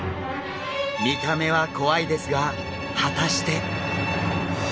見た目は怖いですが果たして？